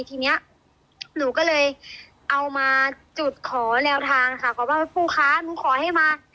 ทีนี้หนูก็เลยเอามาจุดขอแนวทางค่ะขอว่าผู้ค้าหนูขอให้มา